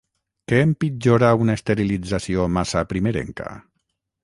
Què empitjora una esterilització massa primerenca?